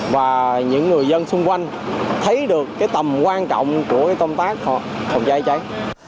và những người dân xung quanh thấy được tầm quan trọng của công tác phòng cháy cháy